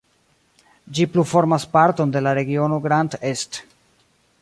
Ĝi plu formas parton de la regiono Grand Est.